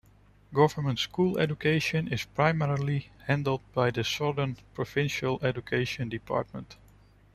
Government School education is primarily handled by the Southern Provincial Education Department.